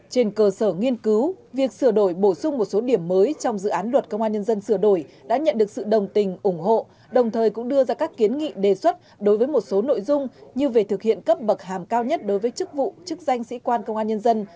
trên cơ sở nghiên cứu việc sửa đổi bổ sung một số điểm mới trong dự án luật công an nhân dân sửa đổi đã nhận được sự đồng tình ủng hộ đồng thời cũng đưa ra các kiến nghị đề xuất đối với một số nội dung như về thực hiện cấp bậc hàm cao nhất đối với chức vụ chức danh sĩ quan công an nhân dân